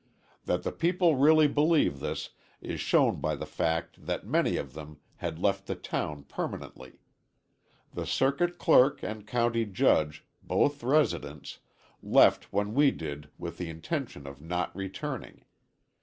That the people really believe this, is shown by the fact that many of them had left the town permanently. The circuit clerk and county judge, both residents, left when we did with the intention of not returning.